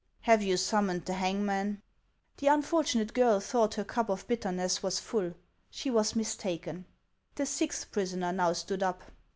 Have you summoned the hangman ?" 444 HANS OF ICELAND. The unfortunate girl thought her cup of bitterness was full : she was mistaken. The sixth prisoner now stood up.